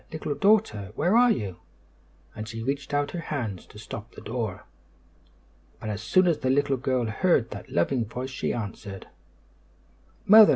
Little Daughter! Where are you?" and she reached out her hands to stop the door. But as soon as the little girl heard that loving voice she answered: "Mother!